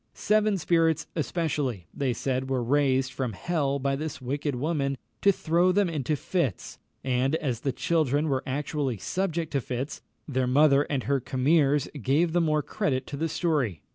Seven spirits especially, they said, were raised from hell by this wicked woman to throw them into fits; and as the children were actually subject to fits, their mother and her commeres gave the more credit to the story.